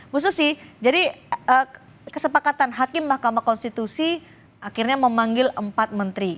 bu susi jadi kesepakatan hakim mahkamah konstitusi akhirnya memanggil empat menteri